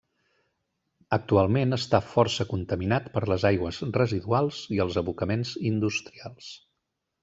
Actualment està força contaminat per les aigües residuals i els abocaments industrials.